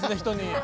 人に！